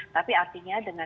tapi artinya dengan